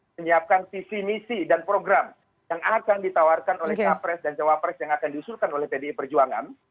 menyiapkan visi misi dan program yang akan ditawarkan oleh capres dan cawapres yang akan diusulkan oleh pdi perjuangan